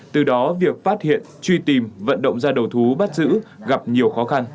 từ đó việc phát hiện truy tìm vận động ra đầu thú bắt giữ